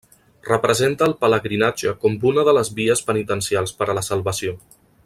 Representa el pelegrinatge com una de les vies penitencials per a la salvació.